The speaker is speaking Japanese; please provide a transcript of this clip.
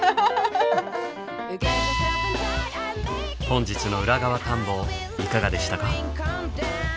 本日の裏側探訪いかがでしたか？